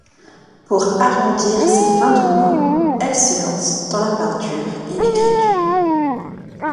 Pour arrondir ses fins de mois, elle se lance dans la peinture et l'écriture.